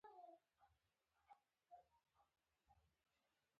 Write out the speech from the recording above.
په ازادی کی غلطي وکړی